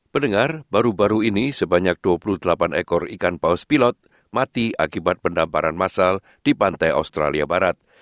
pendengar baru baru ini sebanyak dua puluh delapan ekor ikan paus pilot mati akibat pendamparan massal di pantai australia barat